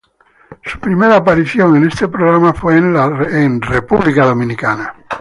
Su primera aparición en este programa fue en en República Dominicana.